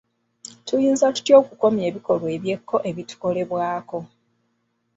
Tuyinza tutya okukomya ebikolwa eby’ekko ebitukolebwako?